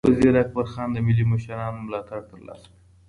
وزیر اکبرخان د ملي مشرانو ملاتړ ترلاسه کړ.